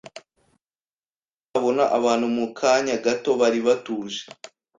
hanyuma nkabona abantu mu kanya gato bari batuje